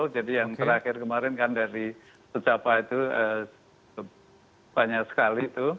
jadi yang terakhir kemarin kan dari setiap hari itu banyak sekali